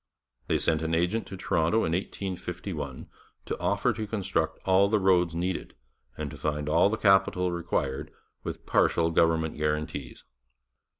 They sent an agent to Toronto in 1851 to offer to construct all the roads needed, and to find all the capital required, with partial government guarantees.